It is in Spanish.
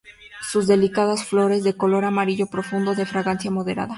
Sus delicadas flores de color amarillo profundo, de fragancia moderada.